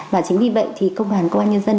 và chính vì vậy thì công đoàn công an nhân dân